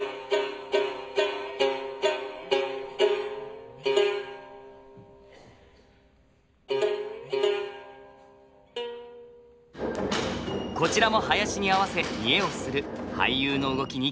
こちらも囃子に合わせ見得をする俳優の動きにご注目。